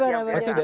ya itu ada